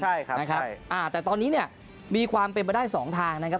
แต่ตอนนี้มีความเป็นมาได้สองทางนะครับ